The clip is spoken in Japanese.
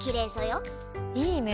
いいね。